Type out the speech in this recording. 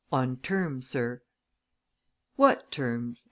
"On terms, sir." "What terms?"